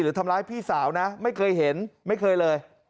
ทำร้ายพี่สาวนะไม่เคยเห็นไม่เคยเลย